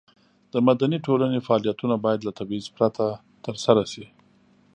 د مدني ټولنې فعالیتونه باید له تبعیض پرته ترسره شي.